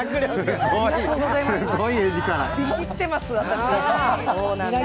イキってます、私。